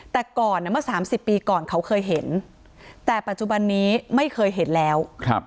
แต่ก่อนเมื่อ๓๐ปีก่อนเขาเคยเห็นแต่ปัจจุบันนี้ไม่เคยเห็นแล้ว